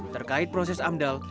terkait proses amdal